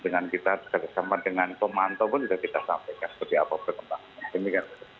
sekarang kita sudah berkata sama dengan pemantau pun sudah kita sampaikan seperti apa perkembangannya